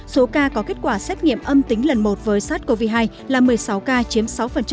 số ca có kết quả xét nghiệm âm tính lần một với sars cov hai là một mươi sáu ca chiếm sáu